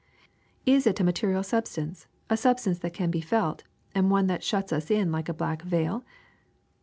* Is it a material substance, a substance that can be f^lt, and one that shuts us in like a black veil?